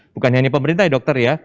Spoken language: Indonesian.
bukannya ini pemerintah ya dokter ya